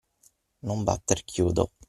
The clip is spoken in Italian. Non batter chiodo.